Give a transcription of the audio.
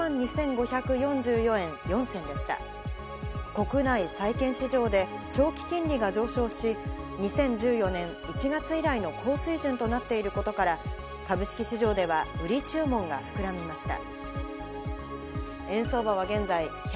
国内債券市場で長期金利が上昇し、２０１４年１月以来の高水準となっていることから、株式市場では売り注文が膨らみました。